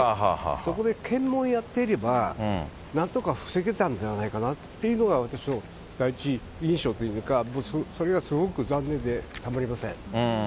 そこで検問をやっていれば、なんとか防げたんではないかなというのが、私の第一印象というか、それがすごく残念でたまりません。